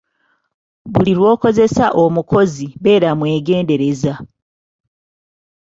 Buli lwokozesa omukozi beera mwegendereza.